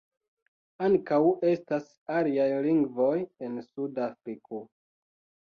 Ankaŭ estas aliaj lingvoj en Sud-Afriko.